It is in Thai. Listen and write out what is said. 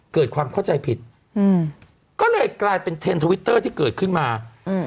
เกิดความเข้าใจผิดอืมก็เลยกลายเป็นเทรนด์ทวิตเตอร์ที่เกิดขึ้นมาอืม